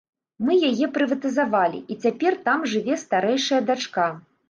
Мы яе прыватызавалі, і цяпер там жыве старэйшая дачка.